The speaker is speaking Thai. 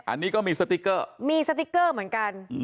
อันนี้ก็มีสติ๊กเกอร์มีสติ๊กเกอร์เหมือนกัน